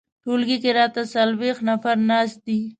ټولګي کې راته څلویښت نفر ناست دي.